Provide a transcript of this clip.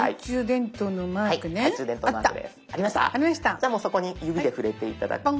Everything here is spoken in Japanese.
じゃあもうそこに指で触れて頂くと。